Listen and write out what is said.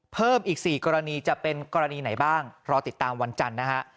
เพิ่มอีก๔กรณีจะเป็นกรณีไหนบ้างรอติดตามวันจันทร์นะฮะ